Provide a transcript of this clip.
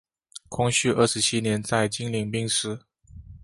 光绪二十七年在经岭病逝。